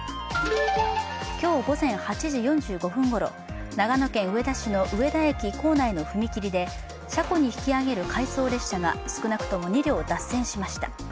今日、午前８時４５分ごろ、長野県上田市の上田駅構内の踏切で車庫に引き上げる回送列車が少なくとも２両脱線しました。